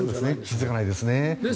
気付かないですね。